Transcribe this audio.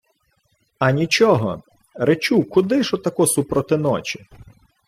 — А нічого. Речу: куди ж отако супроти ночі?